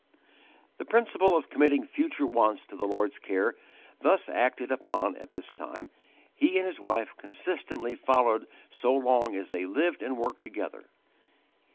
The principle of committing future wants to the Lord's care, thus acted upon at this time, he and his wife consistently followed so long as they lived and worked together.